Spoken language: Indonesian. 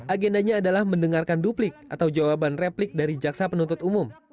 agendanya adalah mendengarkan duplik atau jawaban replik dari jaksa penuntut umum